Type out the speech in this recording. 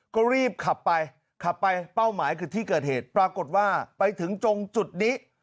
ก็รีบขับไปขับไปเป้าหมายคือที่เกิดเหตุปรากฏว่าไปถึงจงจุดนี้